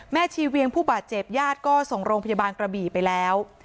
ชีเวียงผู้บาดเจ็บญาติก็ส่งโรงพยาบาลกระบี่ไปแล้ว